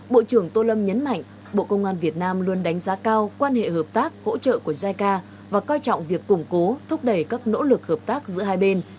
bộ trưởng tô lâm nhấn mạnh bộ công an việt nam luôn đánh giá cao quan hệ hợp tác hỗ trợ của jica và coi trọng việc củng cố thúc đẩy các nỗ lực hợp tác giữa hai bên